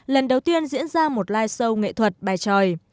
lần đầu tiên diễn ra một live show nghệ thuật bài tròi